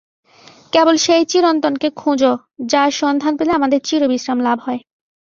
কেবল সেই চিরন্তনকে খোঁজ, যাঁর সন্ধান পেলে আমাদের চিরবিশ্রাম লাভ হয়।